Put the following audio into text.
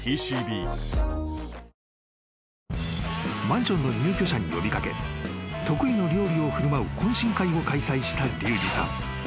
［マンションの入居者に呼び掛け得意の料理を振る舞う懇親会を開催したリュウジさん］